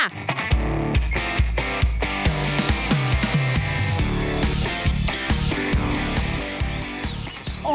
โห